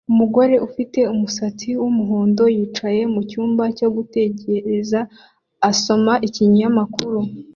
Umugore ufite umusatsi wumuhondo yicaye mucyumba cyo gutegereza asoma ikinyamakuru